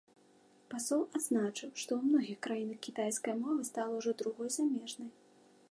Пасол адзначыў, што ў многіх краінах кітайская мова стала ўжо другой замежнай.